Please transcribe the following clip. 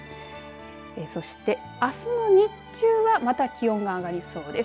そして、あすの日中はまた気温が上がりそうです。